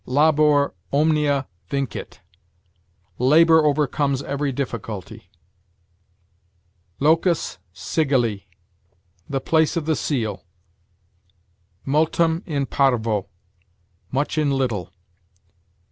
Labor omnia vincit: labor overcomes every difficulty. Locus sigilli: the place of the seal. Multum in parvo: much in little.